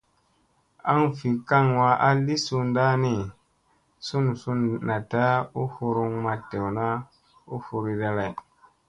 Aŋ vi kaŋ wa a li sunɗa ni, sun sun naɗta u huruŋ ma dewna u furiɗa lay.